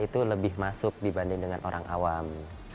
itu lebih masuk dibanding dengan orang awam